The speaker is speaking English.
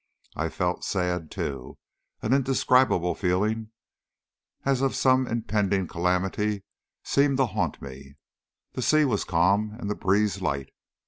I felt sad too. An indescribable feeling, as of some impending calamity, seemed to haunt me. The sea was calm, and the breeze light.